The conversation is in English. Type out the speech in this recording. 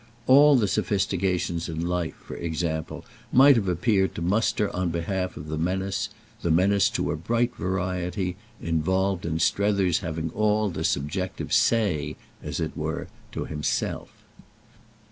All the sophistications in life, for example, might have appeared to muster on behalf of the menace—the menace to a bright variety—involved in Strether's having all the subjective "say," as it were, to himself.